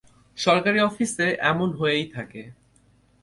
সরকারি অফিসে এমন হয়েই থাকে।